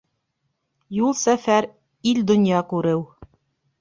Юл-сәфәр, ил-донъя күреү